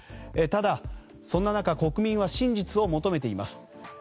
ただ、そんな中、国民は真実を求めています。